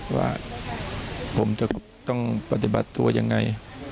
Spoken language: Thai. ว่าผมจะต้องปฏิบัติตัวยังไง